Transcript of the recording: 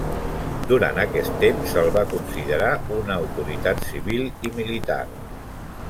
Durant aquest temps se'l va considerar una autoritat civil i militar.